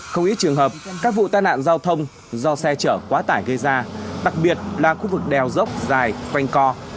không ít trường hợp các vụ tai nạn giao thông do xe chở quá tải gây ra đặc biệt là khu vực đèo dốc dài quanh co